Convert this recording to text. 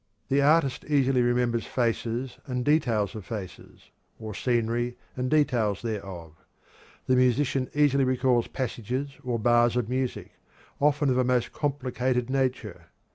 The artist easily remembers faces and details of faces, or scenery and details thereof. The musician easily recalls passages or bars of music, often of a most complicated nature.